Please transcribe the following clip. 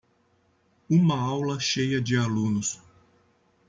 Uma aula cheia de alunos.